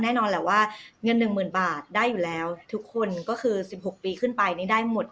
แน่นอนแหละว่าเงิน๑๐๐๐บาทได้อยู่แล้วทุกคนก็คือ๑๖ปีขึ้นไปนี่ได้หมด